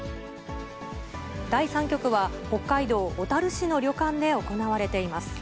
第３局は、北海道小樽市の旅館で行われています。